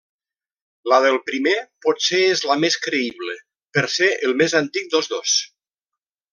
La del primer potser és la més creïble, per ser el més antic dels dos.